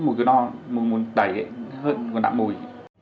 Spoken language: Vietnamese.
mùi cửa no mùi tẩy hơi còn đạm mùi